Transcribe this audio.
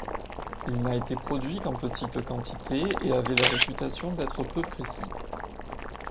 Il n'a été produit qu'en petites quantités et avait la réputation d'être peu précis.